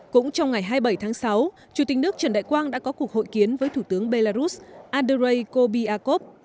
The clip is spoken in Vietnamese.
cũng trong ngày hai mươi bảy tháng sáu chủ tịch nước trần đại quang đã có cuộc hội kiến với thủ tướng belarus andrei kobiarkov